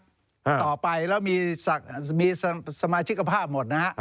ต่อไปแล้วมีสมาชิกภาพหมดนะฮะ